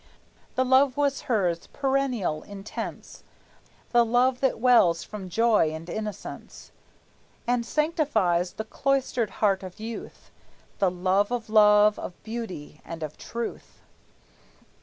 And love was hers, perennial, intense, The love that wells from joy and innocence And sanctifies the cloistered heart of youth, The love of love, of beauty, and of truth.